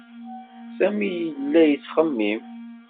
Sami yella yettxemmim.